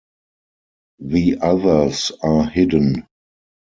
The others are hidden.